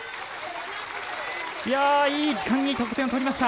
いい時間に得点を取りました。